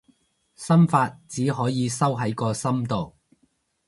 心法，只可以收喺個心度